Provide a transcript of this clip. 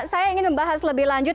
saya ingin membahas lebih lanjut